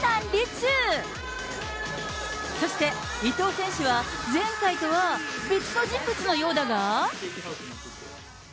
そして伊東選手は、前回とは別の人物のようだが。